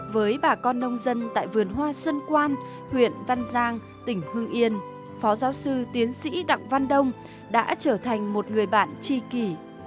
với bà con nông dân tại vườn hoa xuân quan huyện văn giang tỉnh hương yên phó giáo sư tiến sĩ đặng văn đông đã trở thành một người bạn tri kỳ